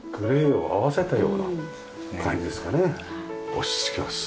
落ち着きます。